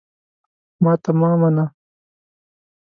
ماته مه منه !